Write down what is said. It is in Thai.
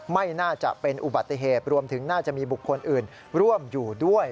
ไม่น่าจะเป็นอุบัติเหตุรวมถึงน่าจะมีบุคคลอื่นร่วมอยู่ด้วย